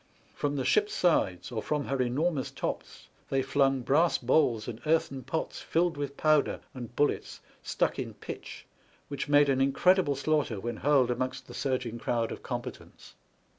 From the ship's sides, or from her enormous tops, they flung brass balls and earthen pots filled with powder and bullets stuck in pitch, which made an incredible slaughter when hurled amongst the surging crowd of combatants.